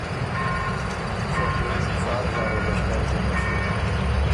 څۀ کېم ݫیات څار زاره لشکر جمع ݭیوک